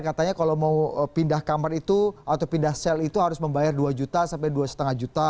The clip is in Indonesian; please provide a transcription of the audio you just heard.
katanya kalau mau pindah kamar itu atau pindah sel itu harus membayar dua juta sampai dua lima juta